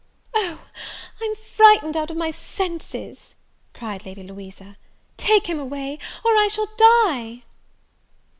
"Oh, I'm frightened out of my senses!" cried Lady Louisa, "take him away, or I shall die!"